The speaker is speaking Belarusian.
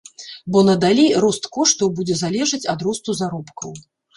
Бо надалей рост коштаў будзе залежаць ад росту заробкаў.